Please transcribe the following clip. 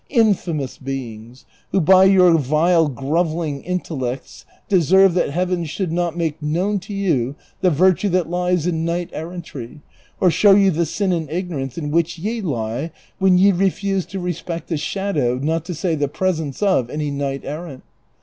Infamous beings, who by your vile grovel ling intellects deserve that Heaven should not make known to you the virtue that lies in knight errantry, or show you the sin and ignorance in which ye lie when ye refuse to respect the shadow, not to say the presence, of any knight errant